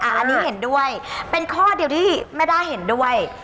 อันนี้เห็นด้วยเป็นข้อเดียวที่แม่ด้าเห็นด้วย